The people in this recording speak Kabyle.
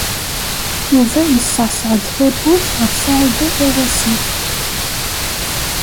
Yuba yeṣṣeɛṣeɛ-d tawwurt ɣef Saɛida Tawasift.